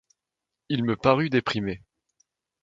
Il me parut déprimé.